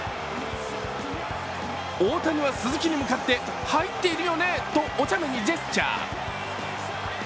大谷は鈴木に向かって入っているよね？とおちゃめにジェスチャー。